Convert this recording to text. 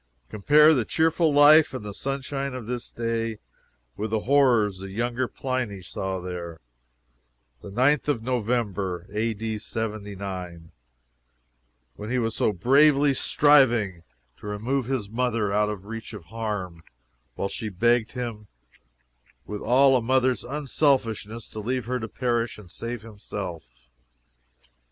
Compare the cheerful life and the sunshine of this day with the horrors the younger Pliny saw here, the 9th of November, A.D. 79, when he was so bravely striving to remove his mother out of reach of harm, while she begged him, with all a mother's unselfishness, to leave her to perish and save himself.